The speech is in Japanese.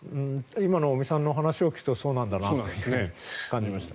今の尾身さんのお話を聞くとそうなんだなと感じました。